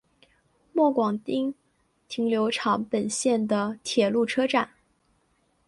末广町停留场本线的铁路车站。